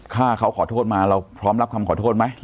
ฆ่าเขาขอโทษมาเราพร้อมรับคำขอโทษไหม